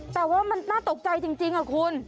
แต่ว่ามันน่าตกใจจริงค่ะคุณ